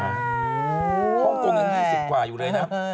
โฮ้พร้อมตรงอย่าง๒๐กว่าอยู่เลยนะ